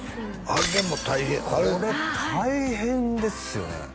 あれも大変これ大変ですよね？